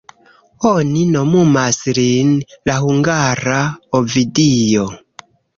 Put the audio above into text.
Oni nomumas lin "la hungara Ovidio".